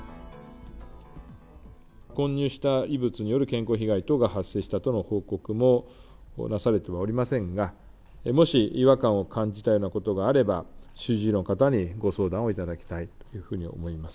混入した異物による健康被害等が発生したとの報告もなされてはおりませんが、もし、違和感を感じたようなことがあれば、主治医の方にご相談をいただきたいというふうに思います。